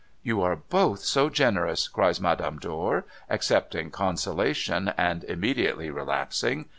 ' You are both so generous,' cries Madame Dor, accepting consolation, and immediately relapsing.